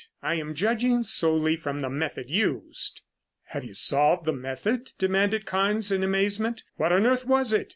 I am judging solely from the method used." "Have you solved the method?" demanded Carnes in amazement. "What on earth was it?